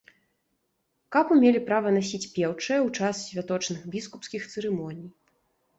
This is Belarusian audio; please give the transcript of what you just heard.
Капу мелі права насіць пеўчыя ў час святочных біскупскіх цырымоній.